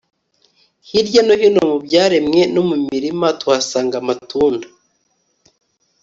hirya no hino mu byaremwe no mu mirima tuhasanga amatunda